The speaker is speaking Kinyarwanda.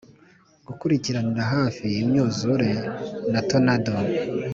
gukurikiranira hafi imyuzure na tonado.